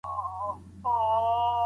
ده د خدمت احساس له لاسه نه ورکاوه.